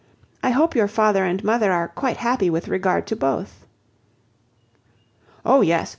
I hope your father and mother are quite happy with regard to both." "Oh! yes.